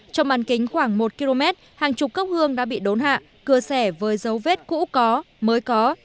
trong màn kính khoảng một km hàng chục cốc hương đã bị đốn hạ cưa xẻ với dấu vết cũ có mới có